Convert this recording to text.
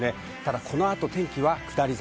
この後、天気は下り坂。